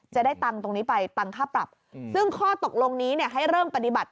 จะได้ตังค์ตรงนี้ไปตังค่าปรับซึ่งข้อตกลงนี้เนี่ยให้เริ่มปฏิบัติ